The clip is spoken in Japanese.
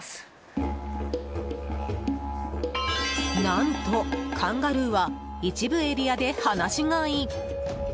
何と、カンガルーは一部エリアで放し飼い。